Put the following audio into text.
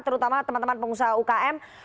terutama teman teman pengusaha ukm